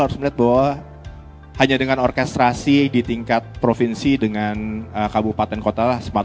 harus melihat bahwa hanya dengan orkestrasi di tingkat provinsi dengan kabupaten kota